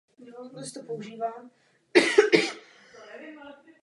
Mlynář svou vinu od počátku popíral.